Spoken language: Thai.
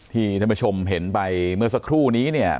ท่านผู้ชมเห็นไปเมื่อสักครู่นี้เนี่ย